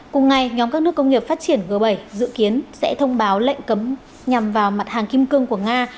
cùng ngày nhóm các nước công nghiệp phát triển g bảy dự kiến sẽ thông báo lệnh cấm nhằm vào mặt hàng kim cương của nga